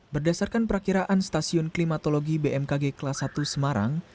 berdasarkan perakiraan stasiun klimatologi bmkg kelas satu semarang